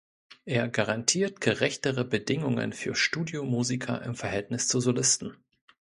Er garantiert gerechtere Bedingungen für Studiomusiker im Verhältnis zu Solisten.